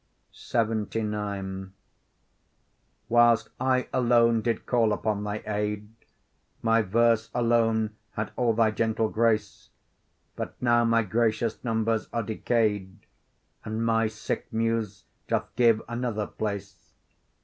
LXXIX Whilst I alone did call upon thy aid, My verse alone had all thy gentle grace; But now my gracious numbers are decay'd, And my sick Muse doth give an other place.